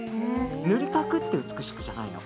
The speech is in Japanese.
塗りたくって美しくじゃないの。